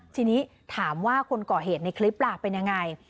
ทีนี้ถามว่าคนก่อเหตุในคลิปล่ะเป็นยังไง